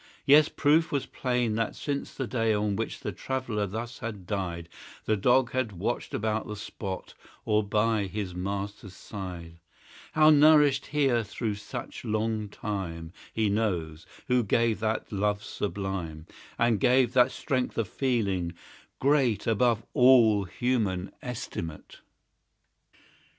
Yes, proof was plain that, since the day When this ill fated traveller died, The Dog had watched about the spot, Or by his master's side: How nourished here through such long time He knows, who gave that love sublime; And gave that strength of feeling, great Above all human estimate.